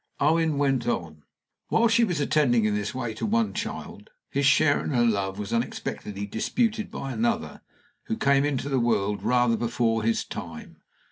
Owen went on: "While she was attending in this way to one child, his share in her love was unexpectedly disputed by another, who came into the world rather before his time.